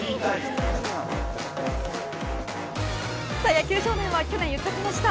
野球少年は去年、言っちゃってました。